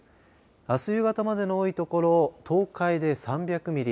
あす夕方までの多いところ東海で３００ミリ